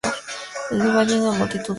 En el valle una multitud huye en desorden.